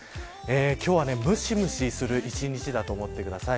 今日はむしむしする一日だと思ってください。